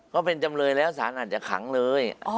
ก็เป็นจำเลยแล้วสารอาจจะขังเลย